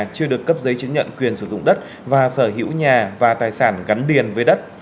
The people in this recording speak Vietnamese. chưa được cấp giấy chứng nhận quyền sử dụng đất và sở hữu nhà và tài sản gắn điền với đất